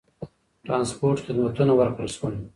ترانسپورت خدمتونه ورکړل شول.